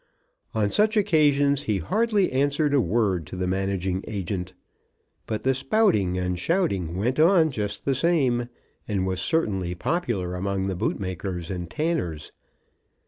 On such occasions he hardly answered a word to the managing agent. But the spouting and shouting went on just the same, and was certainly popular among the bootmakers and tanners.